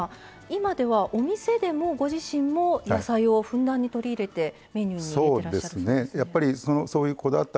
今ではお店でもご自身も野菜をふんだんに取り入れてメニューに入れてらっしゃるそうですね。